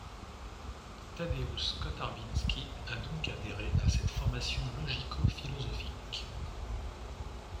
Tadeusz Kotarbiński a donc adhéré à cette formation logico-philosophique.